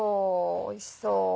おいしそう。